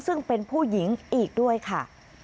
ซึ่งเป็นผู้หญิงอีกด้วยค่ะ